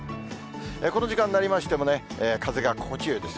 この時間になりましてもね、風が心地よいです。